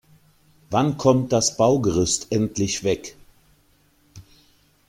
Wann kommt das Baugerüst endlich weg?